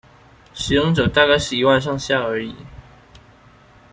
使用者大概是一萬上下而已